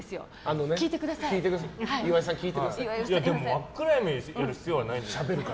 真っ暗闇でやる必要はあるんですか？